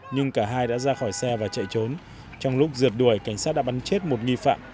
nhưng cả hai đã ra khỏi xe và chạy trốn trong lúc rượt đuổi cảnh sát đã bắn chết một nghi phạm